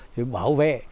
giúp bảo vệ